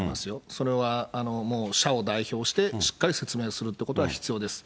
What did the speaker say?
それはもう社を代表してしっかり説明をするということは必要です。